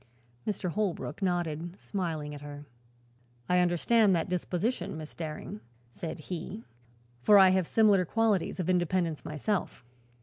Mr. Holbrook nodded, smiling at her. "I understand that disposition, Miss Daring," said he, "for I have similar qualities of independence myself."